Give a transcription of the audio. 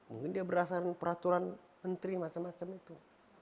mungkin dia berdasarkan peraturan menteri macam macam itu